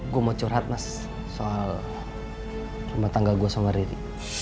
gue mau curhat mas soal rumah tangga gue sama diri